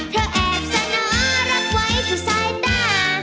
เธอแอบสนารักไว้ที่ซ้ายตา